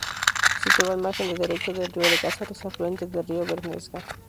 Situado al margen derecho del río Casares, afluente del río Bernesga.